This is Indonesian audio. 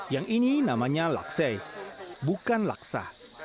yang ini namanya laksei bukan laksa